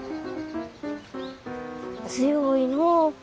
強いのう。